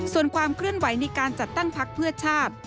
ส่วนความเคลื่อนไหวในการจัดตั้งพักเพื่อชาติ